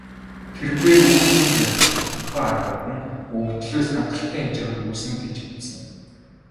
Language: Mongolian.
Тэр бээр үр дүнг нотлох тодорхой аргууд нь өгөгдлөөс хангалттай хэмжээгээр үүснэ гэж үзсэн.